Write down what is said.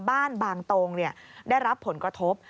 บ้านบางตรงเนี่ยได้รับผลกระทบ